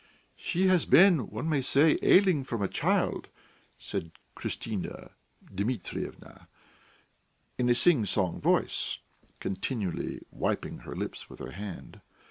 "She has been, one may say, ailing from a child," said Christina Dmitryevna in a sing song voice, continually wiping her lips with her hand.